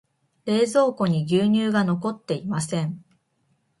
冷蔵庫に牛乳が残っていません。